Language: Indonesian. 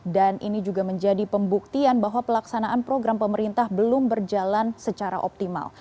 dan ini juga menjadi pembuktian bahwa pelaksanaan program pemerintah belum berjalan secara optimal